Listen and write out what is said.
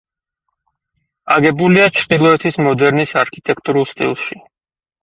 აგებულია ჩრდილოეთის მოდერნის არქიტექტურულ სტილში.